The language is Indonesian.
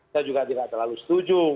saya juga tidak terlalu setuju